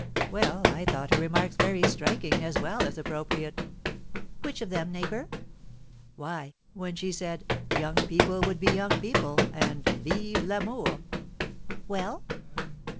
"Well, I thought her remarks very striking, as well as appropriate." "Which of them, neighbour?" "Why, when she said 'Young people would be young people,' and 'Vive l'amour!'" "Well?"